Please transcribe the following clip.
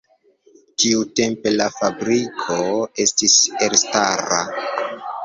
Tiutempe la fabriko estis elstara.